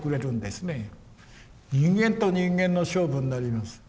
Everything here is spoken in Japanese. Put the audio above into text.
人間と人間の勝負になります。